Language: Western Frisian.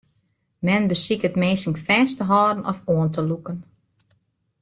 Men besiket minsken fêst te hâlden of oan te lûken.